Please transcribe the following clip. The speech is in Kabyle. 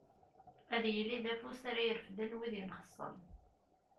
Ad yili d afus ara irefden wid yenxessen.